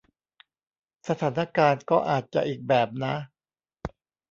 สถานการณ์ก็อาจจะอีกแบบนะ